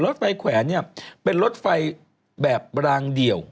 รถไฟแขวนเนี่ยเป็นรถไฟแบบรางเดี่ยว